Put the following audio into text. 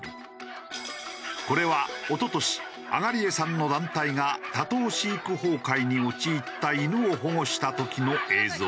これは一昨年東江さんの団体が多頭飼育崩壊に陥った犬を保護した時の映像。